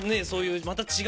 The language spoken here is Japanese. そういう。